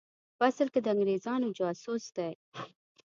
په اصل کې د انګرېزانو جاسوس دی.